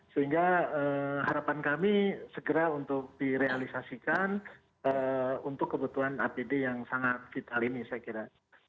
sehingga harapan kami segera untuk direalisasikan untuk kebutuhan apd yang sangat vital ini saya kira